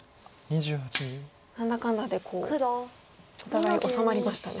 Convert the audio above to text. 何だかんだでこうお互い治まりましたね。